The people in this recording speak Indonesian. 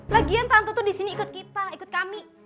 lagian tante tuh di sini ikut kita ikut kami